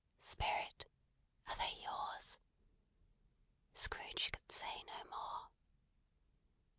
"Spirit! are they yours?" Scrooge could say no more.